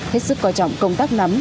hết sức coi trọng công tác nắm